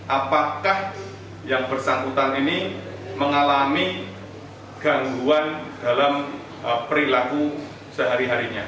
apakah yang bersangkutan ini mengalami gangguan dalam perilaku sehari harinya